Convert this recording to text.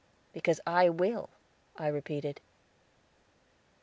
"Because I will," I repeated.